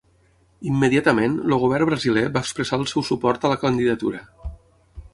Immediatament, el govern brasiler va expressar el seu suport a la candidatura.